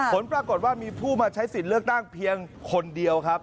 ผลปรากฏว่ามีผู้มาใช้สิทธิ์เลือกตั้งเพียงคนเดียวครับ